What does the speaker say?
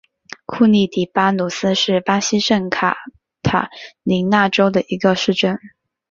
库里蒂巴努斯是巴西圣卡塔琳娜州的一个市镇。